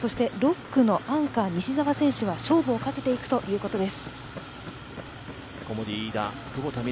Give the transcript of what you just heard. そして６区のアンカー西澤選手は勝負をかけていくといういうことです。